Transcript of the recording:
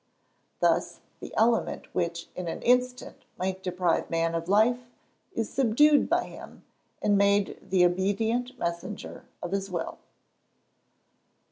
Thus, the element which in an instant might deprive man of life, is subdued by him, and made the obedient messenger of his will.